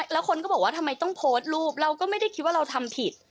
แล้วคนก็บอกว่าทำไมต้องโพสต์รูปเราก็ไม่ได้คิดว่าเราทำผิด